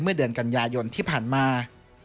เมื่อเดือนกันยายนที่ผ่านมา